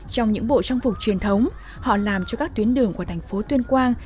trong những bộ trang phục truyền thống họ làm cho các tuyến đường của thành phố tuyên quang